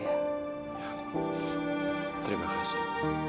ya terima kasih